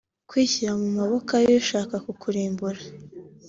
kwishyira mu maboko y’ushaka kukurimbura